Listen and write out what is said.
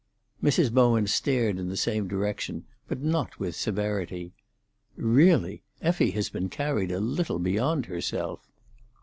Mrs. Bowen stared in the same direction, but not with severity. "Really, Effie has been carried a little beyond herself."